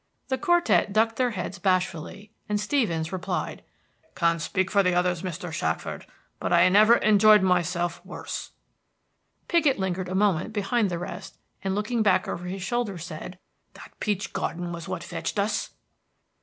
The quartet ducked their heads bashfully, and Stevens replied, "Can't speak for the others, Mr. Shackford, but I never enjoyed myself worse." Piggott lingered a moment behind the rest, and looking back over his shoulder said, "That peach garden was what fetched us!"